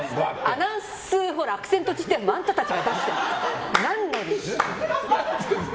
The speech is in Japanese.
アナウンス、アクセント辞典もあんたたちが出してる。